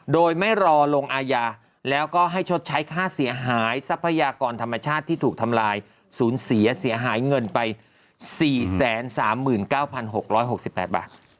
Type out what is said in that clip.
โดยไม่รอลงอาญาแล้วก็ให้ชดใช้ค่าเสียหายทรัพยากรธรรมชาติที่ถูกทำลายสูญเสียเสียหายเงินไป๔๓๙๖๖๘บาท